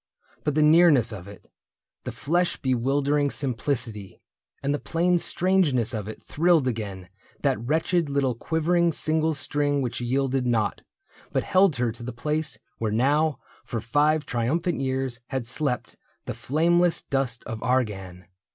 But the nearness of it. The flesh bewildering simplicity, And the plain strangeness of it, thrilled again That wretched little quivering single string Which yielded not, but held her to the place Where now for five triumphant years had slept The flameless dust of Argan.